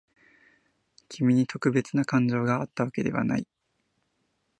君に特別な感情があったわけではない。